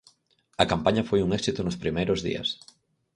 A campaña foi un éxito nos primeiros días.